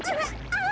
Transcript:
あ！